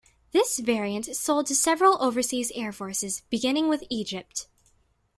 This variant sold to several overseas air forces beginning with Egypt.